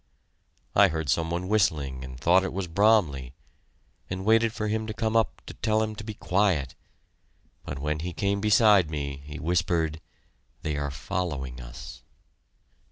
I heard some one whistling and thought it was Bromley, and waited for him to come up to tell him to keep quiet, but when he came beside me, he whispered, "They are following us."